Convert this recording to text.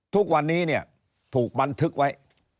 ทุกวันนี้ถูกบันทึกไว้